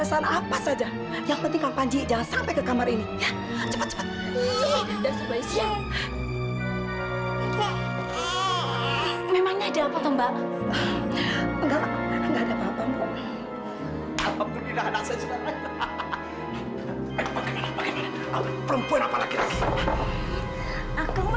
sampai jumpa di video selanjutnya